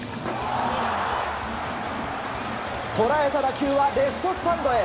捉えた打球はレフトスタンドへ！